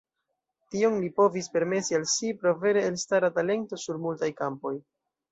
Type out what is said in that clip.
Tion li povis permesi al si pro vere elstara talento sur multaj kampoj.